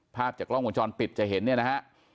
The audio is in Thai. ภาพจากกล้องวงจรปิดจะเห็นเนี่ยนะฮะ